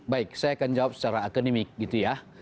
baik saya akan jawab secara akademik gitu ya